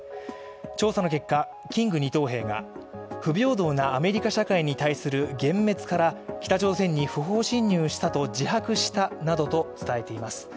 調査の結果、キング２等兵が不平等なアメリカ社会に対する幻滅から北朝鮮に不法侵入したと自白したなどと伝えています。